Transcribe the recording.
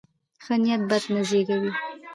ښه نیت بد نه زېږوي.